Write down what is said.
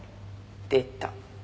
出た。